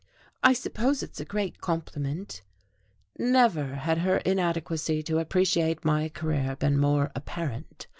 "I suppose it's a great compliment." Never had her inadequacy to appreciate my career been more apparent!